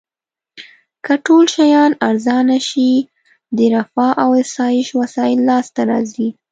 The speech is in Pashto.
که ټول شیان ارزانه شي د رفاه او اسایش وسایل لاس ته راځي.